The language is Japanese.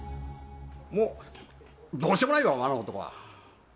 もう、どうしようもないよ、あの男は。